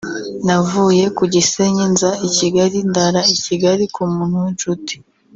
“Navuye ku Gisenyi nza i Kigali ndara i Kigali ku muntu w’inshuti